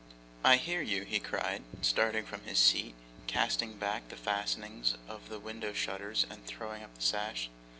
'I hear you,' he cried, starting from his seat, casting back the fastenings of the window shutters, and throwing up the sash.